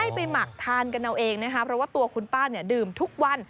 ให้ไปหมักทานกันเอาเองนะครับเพราะว่าตัวคุณป้าดื่มทุกวัน